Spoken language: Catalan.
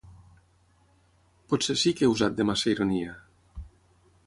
-Potser sí que he usat de massa ironia…